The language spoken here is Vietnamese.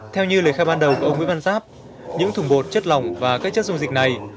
theo như lời khai ban đầu của ông nguyễn văn giáp những thùng bột chất lỏng và các chất dung dịch này